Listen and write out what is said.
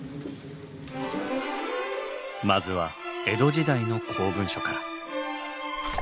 まずは江戸時代の公文書から。